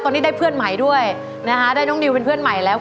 ตอนนี้ได้เพื่อนใหม่ด้วยนะฮะได้น้องนิวเป็นเพื่อนใหม่แล้ว